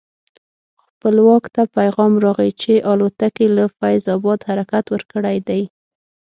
خپلواک ته پیغام راغی چې الوتکې له فیض اباد حرکت ورکړی دی.